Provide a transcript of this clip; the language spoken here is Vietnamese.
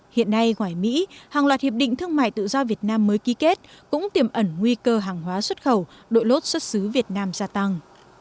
hiện nay ngoài mỹ hàng loạt hiệp định thương mại tự do việt nam mới ký kết cũng tiềm ẩn nguy cơ hàng hóa xuất khẩu đội lốt xuất xứ việt nam gia tăng